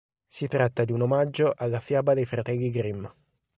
Si tratta di un omaggio alla fiaba dei fratelli Grimm.